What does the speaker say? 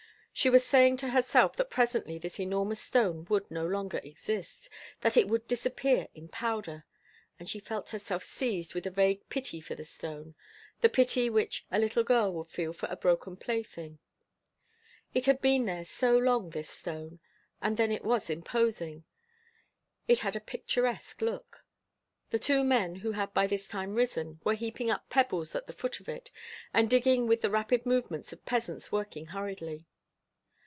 She was saying to herself that presently this enormous stone would no longer exist, that it would disappear in powder, and she felt herself seized with a vague pity for the stone, the pity which a little girl would feel for a broken plaything. It had been there so long, this stone; and then it was imposing it had a picturesque look. The two men, who had by this time risen, were heaping up pebbles at the foot of it, and digging with the rapid movements of peasants working hurriedly.